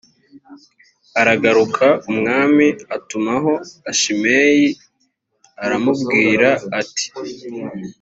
aragaruka umwami atumaho a shimeyi aramubwira ati